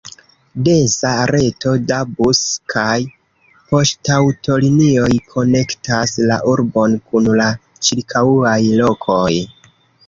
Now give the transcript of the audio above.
Densa reto da bus- kaj poŝtaŭtolinioj konektas la urbon kun la ĉirkaŭaj lokoj.